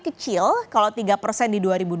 kecil kalau tiga persen di dua ribu dua puluh